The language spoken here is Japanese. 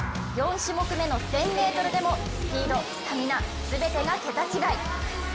４種目めの１０００ｍでもスピード、スタミナ、全てが桁違い。